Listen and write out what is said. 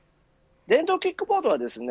電動キックボードはですね